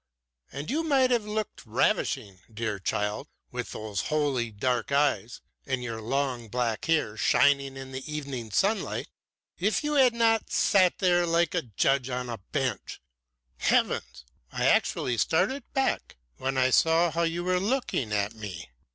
And you might have looked ravishing, dear child, with those holy dark eyes, and your long black hair shining in the evening sunlight if you had not sat there like a judge on the bench. Heavens! I actually started back when I saw how you were looking at me.